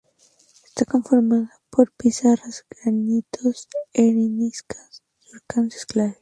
Está conformada por pizarras, granitos, areniscas, cuarcitas y calizas.